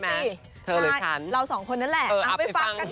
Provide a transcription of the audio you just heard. เธอหรือฉันเออไปฟังกันค่ะเราสองคนนั่นแหละ